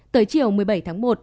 tới chiều một mươi bảy tháng một